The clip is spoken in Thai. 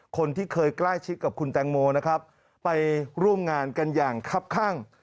คนที่เคยใกล้ชิดกับคุณแตงโมนะครับไปร่วมงานกันอย่างคับข้าง